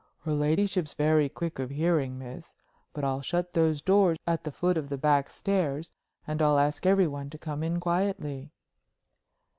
"Her ladyship's very quick of hearing, miss. But I'll shut those doors at the foot of the back stairs, and I'll ask every one to come in quietly."